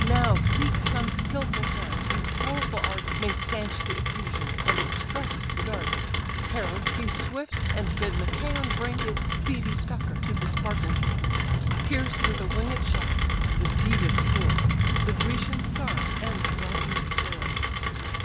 Now seek some skilful hand, whose powerful art May stanch the effusion, and extract the dart. Herald, be swift, and bid Machaon bring His speedy succour to the Spartan king; Pierced with a winged shaft (the deed of Troy), The Grecian's sorrow, and the Dardan's joy."